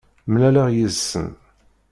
Mlaleɣ yid-sen.